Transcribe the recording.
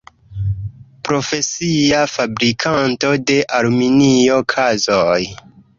Profesia fabrikanto de aluminio kazoj.